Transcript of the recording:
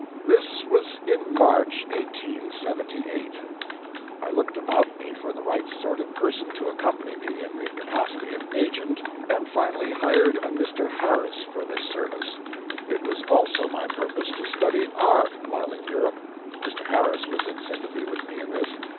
This was in March, 1878. I looked about me for the right sort of person to accompany me in the capacity of agent, and finally hired a Mr. Harris for this service. It was also my purpose to study art while in Europe. Mr. Harris was in sympathy with me in this.